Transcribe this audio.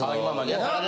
今までな。